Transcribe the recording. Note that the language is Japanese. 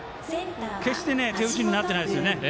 決して手打ちになってないですね。